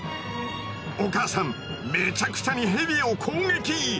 お母さんめちゃくちゃにヘビを攻撃！